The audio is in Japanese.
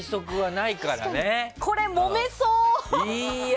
これ、もめそう！